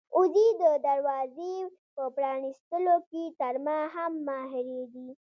وزې د دروازې په پرانيستلو کې تر ما هم ماهرې دي.